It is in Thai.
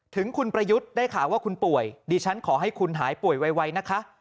ถึงคุณประยุทธ์ได้ข่าวว่าคุณป่วยดิฉันขอให้คุณหายป่วยไวนะคะ